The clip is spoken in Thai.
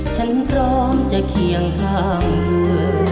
ฉันพร้อมจะเคียงข้างเธอ